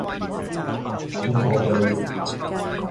穿梭機